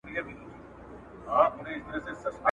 د خان کورته یې راوړې کربلا وه ..